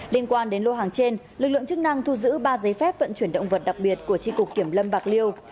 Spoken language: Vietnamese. liên quan đến lô hàng trên lực lượng chức năng thu giữ ba giấy phép vận chuyển động vật đặc biệt của tri cục kiểm lâm bạc liêu